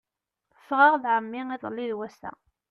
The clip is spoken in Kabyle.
Ffɣeɣ d ɛemmi iḍelli d wass-a.